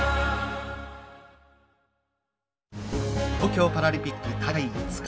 東京パラリンピック大会５日目。